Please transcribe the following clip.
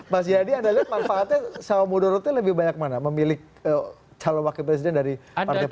mas yadi anda lihat manfaatnya sama mudorotnya lebih banyak mana memilih calon wakil presiden dari partai politik